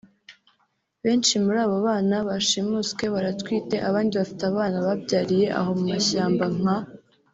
Benshi muri abo bana bashimuswe baratwite abandi bafite abana babyariye aho mu mashyamaba nk